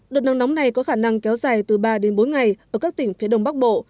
đợt nắng nóng này có khả năng kéo dài từ ba đến bốn ngày ở các tỉnh phía đông bắc bộ